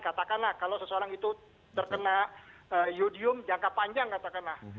katakanlah kalau seseorang itu terkena iodium jangka panjang katakanlah